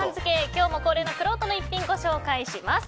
今日も恒例のくろうとの逸品ご紹介します。